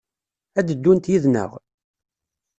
Ad d-ddunt yid-neɣ?